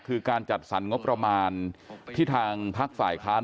คือการจัดสรรงบประมาณที่ทางพักฝ่ายค้าน